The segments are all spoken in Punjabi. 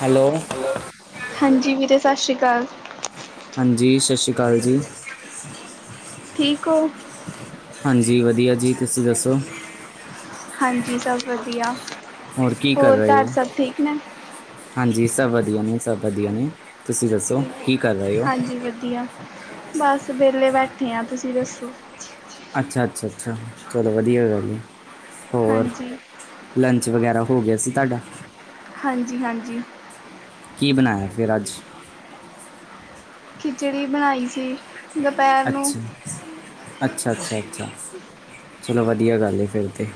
ਹੈਲੋ ਹਾਂਜੀ ਵੀਰੇ ਸਤਿ ਸ੍ਰੀ ਅਕਾਲ। ਹਾਂਜੀ ਸਤਿ ਸ਼੍ਰੀ ਅਕਾਲ ਜੀ। ਠੀਕੋ ਹੋ? ਹਾਂਜੀ ਵਧੀਆ ਜੀ। ਤੁਸੀਂ ਦੱਸੋ? ਹਾਂਜੀ ਸਭ ਵਧੀਆ। ਕੀ ਕਰ ਹੋਰ ਰਹੇ ਘਰ ਹੋ ਸਭ ਠੀਕ ਨੇ? ਹਾਂਜੀ ਸਭ ਵਧੀਆ ਨੇ ਸਭ ਵਧੀਆ ਨੇ। ਤੁਸੀਂ ਦੱਸੋ? ਕੀ ਕਰ ਰਹੇ ਹੋ ਹਾਂਜੀ ਵਧੀਆ ਬਸ ਵਿਹਲੇ ਬੈਠੇ ਹਾਂ। ਤੁਸੀਂ ਦੱਸੋ? ਅੱਛਾ ਅੱਛਾ ਅੱਛਾ ਚੱਲੋ ਵਧੀਆ ਗੱਲ ਹੈ ਹੋਰ। ਹਾਂਜੀ ਲੰਚ ਵਗੈਰਾ ਹੋ ਗਿਆ ਸੀ ਤੁਹਾਡਾ। ਹਾਂਜੀ ਹਾਂਜੀ। ਕੀ ਬਣਾਇਆ ਫਿਰ ਅੱਜ? ਖਿਚੜੀ ਬਣਾਈ ਸੀ। ਦੁਪਹਿਰ ਨੂੰ ਅੱਛਾ ਅੱਛਾ ਅੱਛਾ ਅੱਛਾ ਚਲੋ ਵਧੀਆ ਗੱਲ ਏ ਫਿਰ ਤੇ।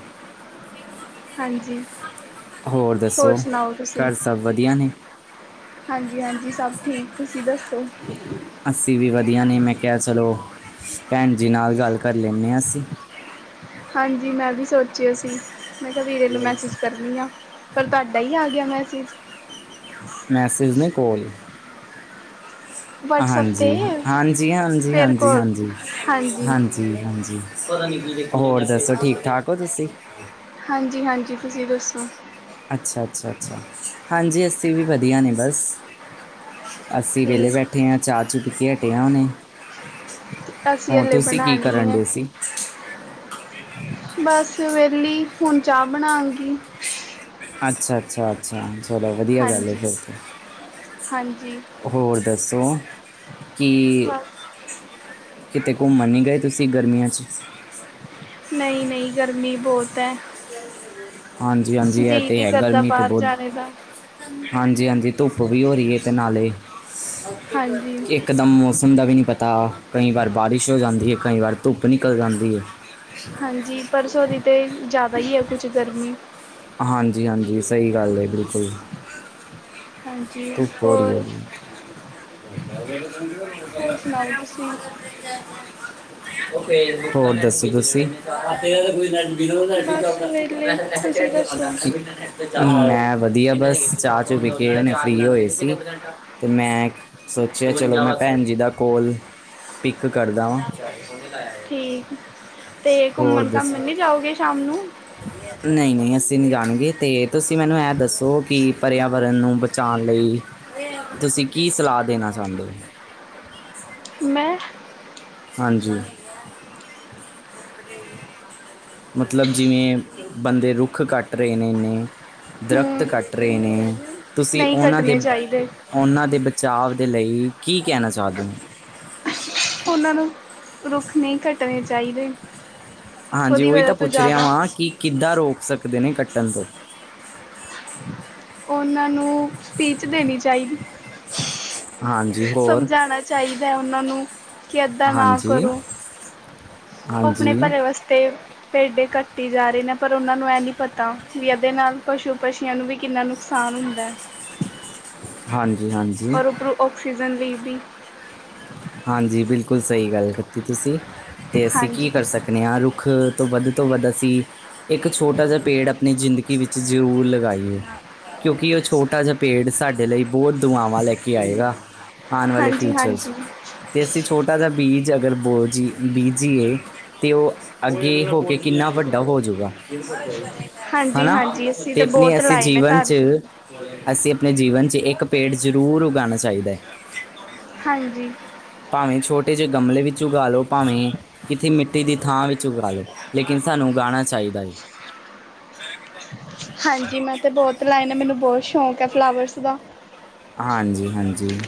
ਹਾਂਜੀ। ਹੋਰ ਦੱਸੋ ਸੁਣਾਓ ਤੁਸੀਂ ਘਰ ਸਭ ਵਧੀਆ ਨੇ? ਹਾਂਜੀ ਹਾਂਜੀ ਸਭ ਠੀਕ ਤੁਸੀਂ ਦੱਸੋ? ਅੱਸੀ ਵੀ ਵਧੀਆ ਨੇ ਮੈਂ ਕਿਹਾ ਚਲੋ ਭੈਣ ਜੀ ਨਾਲ ਗੱਲ ਕਰ ਲੈਂਦੇ ਹਾਂ ਅਸੀਂ। ਹਾਂਜੀ ਮੈਂ ਵੀ ਸੋਚਿਆ ਸੀ ਮੈਂ ਕਿਹਾ ਵੀਰੇ ਨੂੰ ਮੈਸੇਜ ਕਰਨੀ ਆ ਪਰ ਤੁਹਾਡਾ ਹੀ ਆ ਗਿਆ ਮੈਸੇਜ। ਮੈਸੇਜ ਨੀ ਕੋਲ। ਵਟਸਐਪ 'ਤੇ ਹਾਂਜੀ ਹਾਂਜੀ ਹਾਂਜੀ ਫਿਰ ਹਾਂਜੀ ਕੋਲ ਹਾਂਜੀ ਹਾਂਜੀ। ਹਾਂਜੀ ਹੋਰ ਦੱਸੋ ਠੀਕ ਠਾਕ ਹੋ ਤੁਸੀਂ? ਹਾਂਜੀ-ਹਾਂਜੀ ਤੁਸੀਂ ਦੱਸੋ? ਅੱਛਾ-ਅੱਛਾ, ਅੱਛਾ ਹਾਂਜੀ ਅੱਸੀਂ ਵੀ ਵਧੀਆ ਨੇ ਬਸ। ਅੱਸੀ ਵੇਲੇ ਠੀਕ ਬੈਠੇ ਆ, ਚਾਹ ਚੂ ਪੀ ਕੇ ਹਟੇ ਆ ਹੁਣੇੇ। ਅਸੀਂ ਹੋਰ ਹਲੇ ਤੁਸੀਂ ਕੀ ਬਣਾਣੀ ਕਰਨ ਹੈ ਡਏ ਸੀ? ਬਸ ਵਿਹਲੀ ਹੁਣ ਚਾਹ ਬਣਾਗੀ। ਅੱਛਾ-ਅੱਛਾ, ਅੱਛਾ ਚਲੋ ਵਧੀਆ ਗੱਲ ਹਾਂਜੀ ਫਿਰ ਤੇ। ਹਾਂਜੀ ਹੋਰ ਦੱਸੋ ਕੀ ਬਸ ਕਿਤੇ ਘੁੰਮਣ ਨੀ ਗਏ ਤੁਸੀ ਗਰਮੀਆ ਚ? ਨਹੀਂ-ਨਹੀਂ ਗਰਮੀ ਬਹੁਤ ਐ। ਹਾਂਜੀ-ਹਾਂਜੀ ਇਹ ਤੇ ਹੈ ਗਰਮੀ ਤੇ ਬਾਹਰ ਬੌਤ ਜਾਣੇ ਦਾ ਹਾਂਜੀ-ਹਾਂਜੀ ਧੁੱਪ ਵੀ ਹੋ ਰਹੀ ਏ ਤੇ ਨਾਲੇ ਹਾਂਜੀ ਇੱਕ ਇਕਦਮ ਮੌਸਮ ਦਾ ਵੀ ਨਹੀਂ ਪਤਾ ਕਈ ਵਾਰ ਬਾਰਿਸ਼ ਹੋ ਜਾਂਦੀ ਐ ਕਈ ਵਾਰ ਧੁੱਪ ਨਿਕਲ ਜਾਂਦੀ ਏ। ਹਾਂਜੀ ਪਰਸੋਂ ਦੀ ਤੇ ਜਾਦਾ ਹੀ ਏ ਕੁਛ ਗਰਮੀ। ਹਾਂਜੀ-ਹਾਂਜੀ ਸਹੀ ਗੱਲ ਏ ਬਿਲਕੁਲ। ਹਾਂਜੀ ਧੁੱਪ ਬੜੀ ਹੋਰ ਹੁੰ ਹੋਰ ਸੁਣਾਓ ਤੁਸੀਂ ਹੋਰ ਦੱਸੋ ਤੁਸੀ। ਬਸ ਵੇਹਲੇ ਤੁਸੀਂ ਦੱਸੋ [unintelligible] ਮੈਂ ਵਧੀਆ ਬਸ ਚਾਹ ਚੂ ਪੀ ਕੇ ਹੁਣੇ ਫ੍ਰੀ ਹੋਏ ਸੀ ਤੇ ਮੈਂ ਸੋਚਿਆ ਚਲੋ ਮੈਂ ਭੈਣ ਜੀ ਦਾ ਕੋਲ ਪਿਕ ਕਰਦਾ ਵਾਂ। ਠੀਕ ਤੇ ਹੋਰ ਘੁੰਮਣ ਘਾਮਣ ਨੀ ਜਾਓਗੇ ਸ਼ਾਮ ਨੂੰ। ਨਹੀ'ਨਹੀ ਅਸੀ ਨੀ ਜਾਣਗੇ ਤੇ ਤੁਸੀ ਮੈਨੂੰ ਇਹ ਦੱਸੋ ਕਿ ਪਰਿਆਵਰਨ ਨੂੰ ਬਚਾਉਣ ਲਈ ਤੁਸੀਂ ਕੀ ਸਲਾਹ ਦੇਣਾ ਚਾਹੁੰਦੇ ਹੋ। ਮੈਂ ਹਾਂਜੀ। ਮਤਲਬ ਜਿਵੇਂ ਬੰਦੇ ਰੁੱਖ ਕੱਟ ਰਹੇ ਨੇ ਏਨੇ ਦਰਖਤ ਹੂੰ ਕੱਟ ਰਹੇ ਨੇ, ਤੁਸੀ ਨਹੀਂ ਉਹਨਾ ਦੇ ਕੱਟਣੇ ਚਾਹੀਦੇ ਉਹਨਾਂ ਦੇ ਬਚਾਅ ਦੇ ਲਈ ਕੀ ਕਹਿਣਾ ਚਾਹੁੰਦੇ ਹੋ? ਉਹਨਾਂ ਨੂੰ ਰੁੱਖ ਨਹੀਂ ਕੱਟਣੇ ਚਾਹੀਦੇ। ਹਾਂਜੀ ਉਹਦੀ ਉਹੀ ਵਜ੍ਹਾ ਤਾਂ ਤੋਂ ਪੁੱਛ ਰਿਹਾ ਜ਼ਿਆਦਾ ਵਾਂ ਕਿ ਕਿੱਦਾਂ ਰੋਕ ਸਕਦੇ ਨੇ ਕੱਟਣ ਤੋਂ? ਉਹਨਾਂ ਨੂੰ ਸਪੀਚ ਦੇਣੀ ਚਾਹੀਦੀ। ਹਾਂਜੀ ਹੋਰ ਸਮਝਾਣਾ ਚਾਹੀਦਾ ਏ ਉਹਨਾਂ ਨੂੰ। ਕਿ ਇੱਦਾਂ ਨਾ ਹਾਂਜੀ ਕਰੋ ਆਪਣੇ ਹਾਂਜੀ ਭਲੇ ਵਾਸਤੇ ਭੇਡੇ ਕੱਟੀ ਜਾ ਰਹੇ ਨੇ, ਪਰ ਉਹਨਾਂ ਨੂੰ ਇਹ ਨੀ ਪਤਾ ਵੀ ਇਹਦੇ ਨਾਲ ਪਸ਼ੂ ਪਛੀਆਂ ਨੂੰ ਵੀ ਕਿੰਨਾ ਨੁ ਨੁਕਸਾਨ ਹੁੰਦਾ। ਹਾਂਜੀ-ਹਾਂਜੀ ਔਰ ਉੱਪਰੋ ਆਕਸੀਜਨ ਬੀ ਪੀ ਹਾਂਜੀ, ਬਿਲਕੁਲ ਸਹੀ ਗੱਲ ਕੀਤੀ ਤੁਸੀ ਤੇ ਅਸੀ ਕੀ ਹਾਂਜੀ ਕਰ ਸਕਦੇ ਨੇ ਆ ਰੁੱਖ ਤੋਂ ਵੱਧ ਤੋਂ ਵੱਧ ਅਸੀ ਇੱਕ ਛੋਟਾ ਜਿਹਾ, ਪੇੜ ਆਪਣੀ ਜ਼ਿੰਦਗੀ ਵਿੱਚ ਜ਼ਰੂਰ ਲਗਾਈਏ। ਕਿਉਂਕਿ, ਉਹ ਛੋਟਾ ਜਿਹਾ ਪੇਂਟ ਸਾਡੇ ਲਈ ਬਹੁਤ ਦੁਆਵਾਂ ਲੈ ਕੇ ਆਏਗਾ। ਆਉਣ ਵਾਲੇ ਹਾਂਜੀ ਫਿਊਚਰ ਚ ਹਾਂਜੀ ਤੇ ਅਸੀ ਛੋਟਾ ਜਿਹਾ ਬੀਜ ਅਗਰ ਬੋਜੀ ਬੀਜੀਏ। ਤੇ ਉਹ ਅੱਗੇ ਹੋ ਕੇ ਕਿੰਨਾ ਵੱਡਾ ਹੋਜੂਗਾ। ਹਾਂਜੀ ਹਨਾ ਹਾਂਜੀ ਅਸੀਂ ਤੇ ਤਾਂ ਆਪਣੀ ਬਹੁਤ ਅਸੀ ਲਾਏ ਨੇ ਜੀਵਨ ਘਰ ਚ ਵੀ ਅਸੀਂ ਆਪਣੇ ਜੀਵਨ ਚ ਇੱਕ ਪੇੜ ਜ਼ਰੂਰ ਉਗਾਉਣਾ ਚਾਹੀਦਾ ਹੈ। ਹਾਂਜੀ ਭਾਵੇਂ ਛੋਟੇ ਜਿਹੇ ਗਮਲੇ ਵਿੱਚ ਉਗਾ ਲੋ ਭਾਵੇਂ ਕਿਥੀ, ਮਿੱਟੀ ਦੀ ਥਾਂ ਵਿੱਚ ਉਗਾ ਲਓ, ਲੇਕਿਨ ਸਾਨੂੰ ਉਗਾਉਣਾ ਚਾਹੀਦਾ ਹੈ। ਹਾਂਜੀ, ਮੈਂ ਤੇ ਬਹੁਤ ਲਾਏ ਨੇ, ਮੈਨੂੰ ਬਹੁਤ ਸ਼ੌਕ ਹੈ, ਫਲਾਵਰਸ ਦਾ। ਹਾਂਜੀ, ਹਾਂਜੀ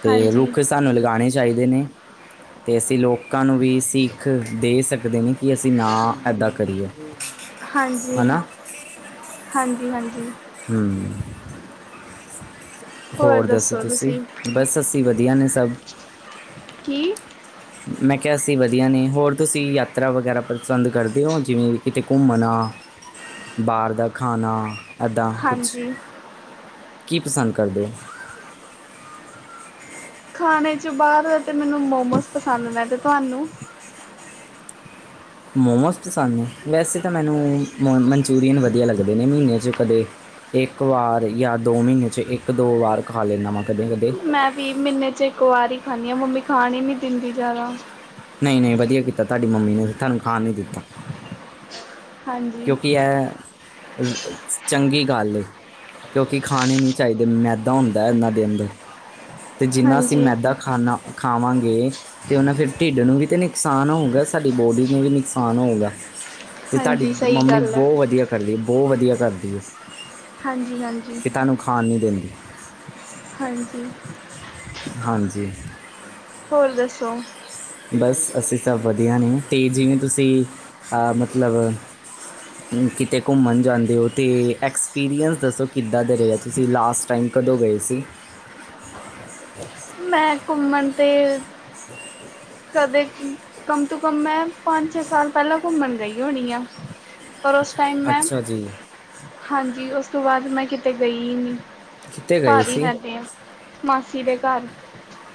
ਅਤੇ ਹਾਂਜੀ ਰੁੱਖ ਸਾਨੂੰ ਲਗਾਉਣੇ ਚਾਹੀਦੇ ਨੇ। ਅਤੇ ਅਸੀਂ ਲੋਕਾਂ ਨੂੰ ਵੀ ਸੀਖ ਦੇ ਸਕਦੇ ਨੇ, ਕਿ ਅਸੀਂ ਨਾ ਇੱਦਾਂ ਕਰੀਏ। ਹਾਂਜੀ, ਹੈ ਨਾ ਹਾਂਜੀ, ਹਾਂਜੀ। ਹੂੰ। ਹੋਰ ਦੱਸੋ ਤੁਸੀਂ, ਬਸ ਅਸੀਂ ਵਧੀਆ ਨੇ ਸਭ। ਕੀ? ਮੈਂ ਕਿਹਾ ਅਸੀਂ ਵਧੀਆ ਨੇ, ਹੋਰ ਤੁਸੀਂ ਯਾਤਰਾ ਵਗੈਰਾ ਪਸੰਦ ਕਰਦੇ ਹੋ, ਜਿਵੇਂ ਕਿਤੇ ਘੁੰਮਣਾ। ਬਾਹਰ ਦਾ ਖਾਣਾ ਇੱਦਾਂ, ਕੁਛ ਹਾਂਜੀ ਕੀ ਪਸੰਦ ਕਰਦੇ ਹੋ? ਖਾਣੇ ਚ ਬਾਹਰ ਤੇ ਮੈਨੂੰ ਮੋਮੋਸ ਪਸੰਦ ਨੇ, ਤੇ ਤੁਹਾਨੂੰ? ਮੋਮੋਸ ਪਸੰਦ ਨੇ, ਵੈਸੇ ਤਾਂ ਮੈਨੂੰ ਮੋ ਮਨਚੂਰੀਅਨ ਵਧੀਆ ਲੱਗਦੇ ਨੇ ਮਹੀਨੇ 'ਚ ਕਦੇ ਇੱਕ ਵਾਰ ਯਾ ਦੋ ਮਹੀਨੇ 'ਚ ਇੱਕ ਦੋ ਵਾਰ ਖਾ ਲੈਂਦਾਵਾਂ ਕਦੇ ਕਦੇ। ਮੈਂ ਵੀ ਮਹੀਨੇ 'ਚ ਇੱਕ ਵਾਰ ਹੀ ਖਾਂਨੀ ਹਾਂ, ਮੰਮੀ ਖਾਣ ਹੀ ਨੀ ਦਿੰਦੀ ਜ਼ਿਆਦਾ। ਨਹੀਂ, ਨਹੀਂ ਵਧੀਆ ਕੀਤਾ ਤੁਹਾਡੀ ਮੰਮੀ ਨੇ, ਤੁਹਾਨੂੰ ਖਾਣ ਨਹੀਂ ਦਿੱਤਾ। ਹਾਂਜੀ, ਕਿਉਂਕਿ ਇਹ, ਚੰਗੀ ਗੱਲ ਹੈ। ਕਿਉਂਕਿ ਖਾਣੇ ਨੀ ਚਾਹੀਦੇ, ਮੈਦਾ ਹੁੰਦਾ ਏ ਇਨਾਂ ਦੇ ਅੰਦਰ ਤੇ ਜਿੰਨਾ ਅਸੀਂ ਹਾਂਜੀ, ਮੈਦਾ ਖਾਨਾ ਖਾਵਾਂਗੇ ਤੇ ਉਹਨਾਂ ਫਿਰ ਢਿੱਡ ਨੂੰ ਵੀ ਤੇ ਨੁਕਸਾਨ ਹੋਊਗਾ, ਸਾਡੀ ਬੋਡੀ ਨੂੰ ਵੀ ਨੁਕਸਾਨ ਹੋਊਗਾ। ਤੇ ਤੁਹਾਡੀ ਹਾਂਜੀ, ਸਹੀ ਮੰਮੀ ਗੱਲ ਹੈ। ਬਹੁਤ ਵਧੀਆ ਕਰਦੀ, ਬਹੁਤ ਵਧੀਆ ਕਰਦੀ ਹੈ। ਹਾਂਜੀ, ਹਾਂਜੀ। ਤੁਹਾਨੂੰ ਖਾਣ ਨਹੀਂ ਦਿੰਦੀ। ਹਾਂਜੀ। ਹਾਂਜੀ। ਹੋਰ, ਦੱਸੋ। ਬਸ, ਅਸੀਂ ਸਭ ਵਧੀਆ ਨੇ, ਤੇ ਜਿਵੇਂ ਤੁਸੀਂ ਅ ਮਤਲਬ ਕਿਤੇ ਘੁੰਮਣ ਜਾਂਦੇ ਹੋ ਅਤੇ ਐਕਸਪੀਰੀਅੰਸ ਦੱਸੋ ਕਿੱਦਾਂ ਦਾ ਰਿਹਾ ਤੁਸੀਂ ਲਾਸਟ ਟਾਈਮ ਕਦੋਂ ਗਏ ਸੀ? ਮੈਂ ਘੁੰਮਣ ਤੇ ਕਦੇ ਕਮ ਤੋਂ ਕਮ ਮੈਂ, ਪੰਜ ਛੇ ਸਾਲ ਪਹਿਲਾਂ ਘੁੰਮਣ ਗਈ ਹੋਣੀ ਹਾਂ। ਪਰ ਉਸ ਟਾਈਮ ਮੈਂ, ਅੱਛਾ ਜੀ ਹਾਂਜੀ, ਉਸ ਤੋਂ ਬਾਅਦ ਮੈਂ ਕਿਤੇ ਗਈ ਹੀ ਨਹੀਂ। ਕਿਤੇ ਗਏ ਘਰ ਈ ਸੀ ਰੈਂਦੇ ਆ, ਮਾਸੀ ਦੇ ਘਰ।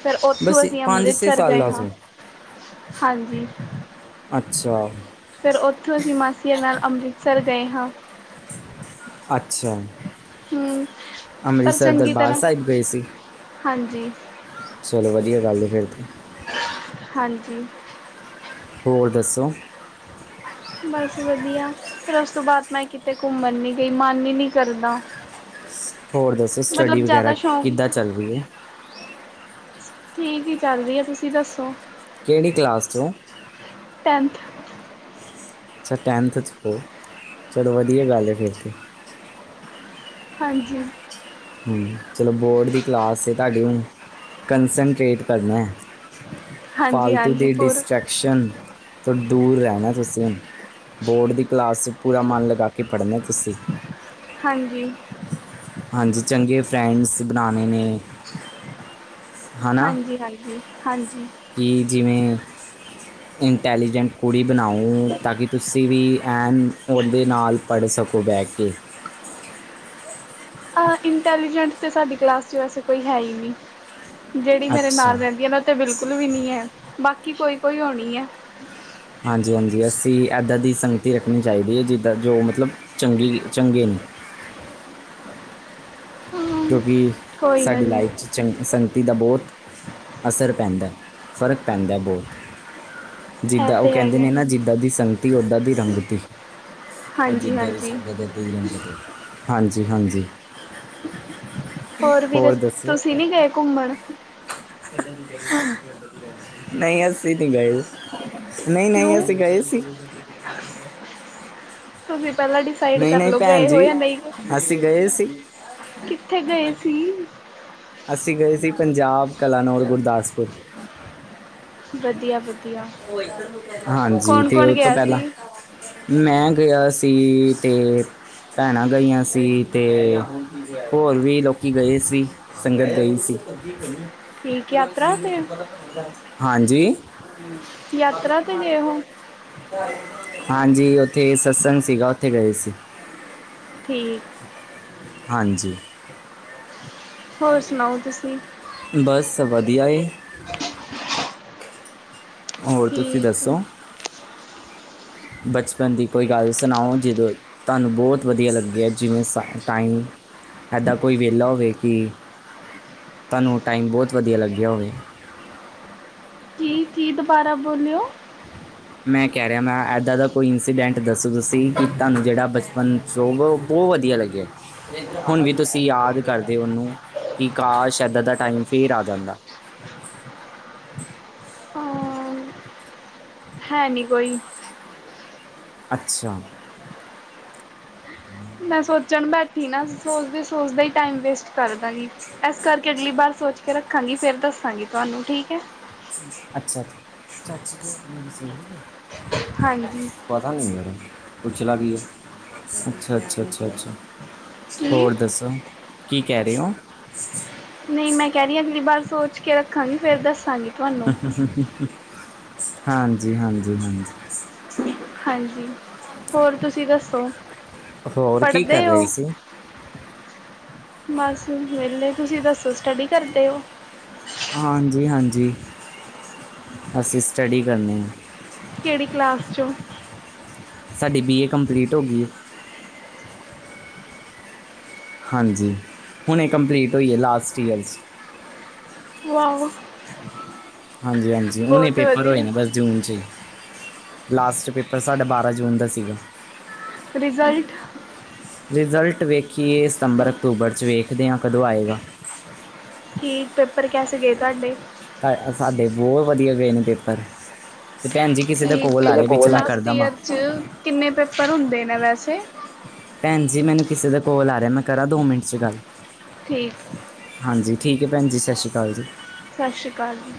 ਫਿਰ, ਉੱਥੋਂ ਬਸ ਅਸੀਂ ਪੰਜ ਛੇ ਅੰਮ੍ਰਿਤਸਰ ਗਏ ਸਾਲਾਂ ਹਾ ਤੋਂ ਹਾਂਜੀ। ਅੱਛਾ। ਫਿਰ, ਉੱਥੋਂ ਅਸੀਂ ਮਾਸੀੀਆਂ ਨਾਲ ਅੰਮ੍ਰਿਤਸਰ ਗਏ ਹਾ। ਅੱਛਾ। ਹਮ ਪਰ ਅੰਮ੍ਰਿਤਸਰ ਚੰਗੀ ਦਰਬਾਰ ਤਰ੍ਹਾਂ ਸਾਹਿਬ ਗਏ ਸੀ? ਹਾਂਜੀ ਚਲੋ, ਵਧੀਆ ਗੱਲ ਏ ਫੇਰ ਤੇ। ਹਾਂਜੀ। ਹੋਰ ਦੱਸੋ? ਬਸ ਵਧੀਆ, ਫਿਰ ਉਸ ਤੋਂ ਬਾਅਦ ਮੈਂ ਕਿਤੇ ਘੁੰਮਣ ਨੀ ਗਈ ਮਨ ਹੀ ਨਹੀਂ ਕਰਦਾ। ਹੋਰ ਦੱਸੋ, ਸਟੱਡੀ ਮਤਲਬ ਵਗੈਰਾ ਜ਼ਿਆਦਾ ਸ਼ੌਂਕ ਕਿੱਦਾਂ ਚੱਲ ਰਹੀ ਹੈ? ਠੀਕ ਹੀ ਚੱਲ ਰਹੀ ਆ, ਤੁਸੀਂ ਦੱਸੋ? ਕਿਹੜੀ ਕਲਾਸ ਚੋਂ? ਟੈਂਥ। ਅੱਛਾ, ਟੈਂਨਥ ਚ ਹੋ, ਚਲੋ ਵਧੀਆ ਗੱਲ ਹੈ ਫਿਰ ਤੇ। ਹਾਂਜੀ। ਹੂੰ, ਚਲੋ ਬੋਰਡ ਦੀ ਕਲਾਸ ਆ ਤੁਹਾਡੀ ਹੁਣ ਕੰਸਟਰੇਟ ਕਰਨਾ ਏ। ਹਾਂਜੀ ਫਾਲਤੂ ਹਾਂਜੀ ਦੀ ਪੂਰ ਡਿਸਟ੍ਰੈਕਸ਼ਨ ਤੋਂ ਦੂਰ ਰਹਿਣਾ ਤੁਸੀਂ ਹੁਣ ਬੋਰਡ ਦੀ ਕਲਾਸ 'ਚ ਪੂਰਾ ਮਨ ਲਗਾ ਕੇ ਪੜ੍ਹਨਾ ਤੁਸੀਂ ਹਾਂਜੀ ਹਾਂਜੀ ਚੰਗੇ ਫਰੈਂਡਸ ਬਣਾਣੇ ਨੇ ਹਾਂਜੀ ਹਾਂਜੀ ਹਾਂਜੀ ਕੀ ਜਿਵੇਂ ਇੰਟੈਲੀਜੈਂਟ ਕੁੜੀ ਬਣਾਓ ਤਾਂ ਕਿ ਤੁਸੀਂ ਵੀ ਐਨ ਉਹਦੇ ਨਾਲ ਪੜ੍ਹ ਸਕੋ ਬੈ ਕੇ ਹਾਂ ਇੰਟੈਲੀਜੈਂਟ ਤਾਂ ਸਾਡੀ ਕਲਾਸ 'ਚ ਵੈਸੇ ਕੋਈ ਹੈ ਹੀ ਨੀ ਜਿਹੜੀ ਮੇਰੇ ਨਾਲ ਅੱਛਾ ਰਹਿੰਦੀ ਹੈ ਨਾ ਤੇ ਬਿਲਕੁਲ ਵੀ ਨਹੀਂ ਹੈ ਬਾਕੀ ਕੋਈ ਕੋਈ ਹੋਣੀ ਐ ਹਾਂਜੀ ਹਾਂਜੀ ਅਸੀਂ ਇੱਦਾਂ ਦੀ ਸੰਗਤੀ ਰੱਖਣੀ ਚਾਹੀਦੀ ਹੈ ਜਿੱਦਾਂ ਜੋ ਮਤਲਬ ਚੰਗੀ ਚੰਗੇ ਨੇ ਹੂੰ, ਕਿਉਂਕਿ ਕੋਈ ਨਾ ਸਾਡੀ ਜੀ ਲਾਈਫ 'ਚ ਚੰਗੀ ਸੰਗਤੀ ਦਾ ਬਹੁਤ ਅਸਰ ਪੈਂਦਾ ਫ਼ਰਕ ਪੈਂਦਾ ਬਹੁਤ ਇਹ ਜਿੱਦਾਂ ਉਹ ਤੇ ਕਹਿੰਦੇ ਹੈਗਾ ਨੇ ਨਾ ਜਿੱਦਾਂ ਦੀ ਸੰਗਤੀ ਉੱਦਾਂ ਦੀ ਰੰਗਤੀ ਉਹ ਹਾਂਜੀ ਜਿੱਦਾਂ ਦੀ ਹਾਂਜੀ ਸੰਗਤ ਉਦਾਂ ਦੀ ਰੰਗਤ ਹਾਂਜੀ ਹਾਂਜੀ ਹੋਰ ਵੀਰੇ ਤੁਸੀਂ ਨਹੀਂ ਗਏ ਘੁੰਮਣ ਹ [unintelligible] ਨਹੀਂ ਅਸੀਂ ਨਹੀਂ ਗਏ ਨਹੀਂ ਨਹੀਂ ਕਿਉਂ ਅਸੀਂ ਗਏ ਸੀ [inaudible] ਤੁਸੀਂ ਪਹਿਲਾਂ ਡਿਸਾਈਡ ਨਹੀਂ ਨਹੀਂ ਕਰਲ਼ੋ ਭੈਣ ਗਏ ਹੋ ਜੀ ਯਾਂ ਨਹੀਂ ਅਸੀਂ ਗਏ ਸੀ ਕਿੱਥੇ ਗਏ ਸੀ? ਅਸੀਂ ਗਏ ਸੀ ਪੰਜਾਬ ਕਲਾਨੌਰ ਗੁਰਦਾਸਪੁਰ ਵਧੀਆ ਵਧੀਆ ਹਾਂਜੀ ਕੌਣ ਤੇ ਕੌਣ ਉਹ ਤੋਂ ਗਿਆ ਪਹਿਲਾਂ ਸੀ ਮੈਂ ਗਿਆ ਸੀ ਤੇ ਭੈਣਾਂ ਗਈਆਂ ਸੀ ਤੇ ਹੋਰ ਵੀ ਲੋਕੀ ਗਏ ਸੀ ਸੰਗਤ ਗਈ ਸੀ ਠੀਕ ਯਾਤਰਾ ਤੇ ਹਾਂਜੀ ਯਾਤਰਾ ਤੇ ਗਏ ਹੋ ਹਾਂਜੀ ਉੱਥੇ ਸਤਸੰਗ ਸੀਗਾ ਉੱਥੇ ਗਏ ਸੀ ਠੀਕ ਹਾਂਜੀ ਹੋਰ ਸੁਣਾਓ ਤੁਸੀਂ ਬਸ ਵਧੀਆ ਏ ਹੋਰ ਤੁਸੀਂ ਠੀਕ ਦੱਸੋ ਬਚਪਨ ਦੀ ਕੋਈ ਗੱਲ ਸੁਣਾਓ ਜ ਤੁਹਾਨੂੰ ਬਹੁਤ ਵਧੀਆ ਲੱਗਿਆ ਹੈ ਜਿਵੇਂ ਸਾਨੂੰ ਟਾਈਮ ਇੱਦਾਂ ਕੋਈ ਵੇਲਾ ਹੋਵੇ ਕਿ ਤੁਹਾਨੂੰ ਟਾਈਮ ਬਹੁਤ ਵਧੀਆ ਲੱਗਿਆ ਹੋਵੇ ਕੀ ਕ ਕੀ ਦੁਬਾਰਾ ਬੋਲਿਓ ਮੈਂ ਕਹਿ ਰਿਹਾ ਮੈਂ ਇੱਦਾਂ ਦਾ ਕੋਈ ਇੰਸੀਡੈਂਟ ਦੱਸੋ ਤੁਸੀਂ ਕਿ ਤੁਹਾਨੂੰ ਜਿਹੜਾ ਬਚਪਨ ਸੁਗ ਭੋ [unintelligible] ਵਧੀਆ ਲੱਗਿਆ ਹੁਣ ਵੀ ਤੁਸੀਂ ਯਾਦ ਕਰਦੇ ਹੋ ਉਹਨੂੰ ਕਿ ਕਾਹ ਸ਼ਦਤ ਦਾ ਟਾਈਮ ਫੇਰ ਆ ਜਾਂਦਾ ਹਾਂ, ਹੈ ਨੀ ਕੋੋਈ। ਅੱਛਾ ਮੈਂ ਸੋਚਣ ਬੈਠੀ ਨਾ ਸੋਚਦੇ ਸੋਚਦੇ ਹੀ ਟਾਈਮ ਵੇਸਟ ਕਰਦਾਂਗੀ ਇਸ ਕਰਕੇ ਅਗਲੀ ਵਾਰ ਸੋਚ ਕੇ ਰੱਖਾਂਗੀ ਫੇਰ ਦੱਸਾਂਗੀ ਤੁਹਾਨੂੰ ਠੀਕ ਐ ਅੱਛਾ ਅੱਛਾ [unintelligible] ਹਾਂਜੀ ਪਤਾ ਨਹੀਂ ਮੈਨੂੰ ਕੁਚਲਾ ਵੀ ਹੈ ਅੱਛਾ ਅੱਛਾ ਅੱਛਾ ਅੱਛਾ ਕੀ ਹੋਰ ਦੱਸੋ ਕੀ ਕਹਿ ਰਹੇ ਓ ਨਹੀਂ ਮੈਂ ਕਹਿ ਰਹੀ ਹਾਂ ਅਗਲੀ ਵਾਰ ਸੋਚ ਕੇ ਰੱਖਾਂਗੀ ਫਿਰ ਦੱਸਾਂਗੀ। ਤੁਹਾਨੂੰ। ਹਾਂਜੀ-ਹਾਂਜੀ-ਹਾਂਜੀ। ਹਾਂਜੀ, ਹੋਰ ਤੁਸੀਂ ਦੱਸੋ ਹੋਰ ਕੀ ਕਰ ਪੜ੍ਹਦੇ ਹੋ। ਰਹੇ ਸੀ ਬਸ ਵਿਹਲੇ ਤੁਸੀਂ ਦੱਸੋ ਸਟੱਡੀ ਕਰਦੇ ਹੋ? ਹਾਂਜੀ-ਹਾਂਜੀ, ਅਸੀਂ ਸਟੱਡੀ ਕਰਨੇ ਹਾਂ। ਕਿਹੜੀ ਕਲਾਸ ਚੋਂ? ਸਾਡੀ ਬੀ ਏ ਕੰਪਲੀਟ ਹੋ ਗਈ ਹੈ। ਹਾਂਜੀ, ਹੁਣੇ ਇਹ ਕੰਪਲੀਟ ਹੋਈਏ ਲਾਸਟ ਈਅਰ 'ਚ। ਵਾਹ ਵ। ਹਾਂਜੀ-ਹਾਂਜੀ, ਹੁਣੇ ਪੇਪਰ ਹੋਏ ਵਧੀਆ ਨੇ ਬਸ। ਜੂਨ ਚ ਹੀ ਲਾਸਟ ਪੇਪਰ ਸਾਡਾ ਬਾਰ੍ਹਾਂ ਜੂਨ ਦਾ ਸੀਗਾ। ਰਿਜ਼ਲਟ ਰਿਜ਼ਲਟ ਵੇਖੀਏ ਸਤੰਬਰ, ਅਕਤੂਬਰ 'ਚ ਵੇਖਦੇ ਹਾਂ ਕਦੋਂ ਆਏਗਾ? ਕੀ ਪੇਪਰ ਕੈਸੇ ਗਏ ਤੁਹਾਡੇ? ਤਾਂ ਸਾਡੇ ਬਹੁਤ ਵਧੀਆ ਗਏ ਨੇ ਪੇਪਰ। ਤੇ ਭੈਣ ਜੀ ਕਿਸੇ ਦਾ ਠੀਕ ਕੋਲ ਹੈ ਆ ਰਿਹਾ ਵਿੱਚ ਮੈਂ ਲਾਸਟ ਕਰਦਾ ਵਾਂ। ਈਅਰ ਚ ਕਿੰਨੇ ਪੇਪਰ ਹੁੰਦੇ ਨੇ ਵੈਸੇ। ਭੈਣ ਜੀ ਮੈਨੂੰ ਕਿਸੇ ਦੇ ਕੋਲ ਆ ਰਿਹਾ ਮੈਂ ਕਰਾਂ ਦੋ ਮਿੰਟ ਚ ਗੱਲ। ਠੀਕ। ਹਾਂਜੀ, ਠੀਕ ਹੈ ਭੈਣ ਜੀ ਸਤਿ ਸ਼੍ਰੀ ਅਕਾਲ ਜੀ। ਸਤਿ ਸ੍ਰੀ ਅਕਾਲ ਜੀ।